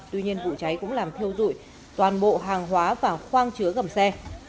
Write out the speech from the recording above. tuy nhiên vụ cháy cũng làm thiêu rụi toàn bộ hàng hóa và khoang chứa gầm xe